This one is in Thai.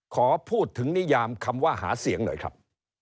ขอพูดถึงนิยามคำว่าหาเสียงหน่อยครับ